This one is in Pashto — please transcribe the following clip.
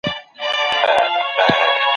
نفاق د قومونو د ورکېدو لامل دی.